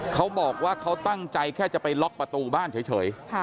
เขาบอกว่าเขาตั้งใจแค่จะไปล็อกประตูบ้านเฉย